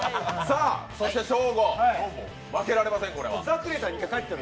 そしてショーゴ、これは負けられません。